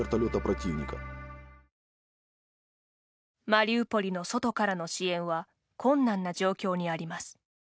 マリウポリの外からの支援は困難な状況にあります。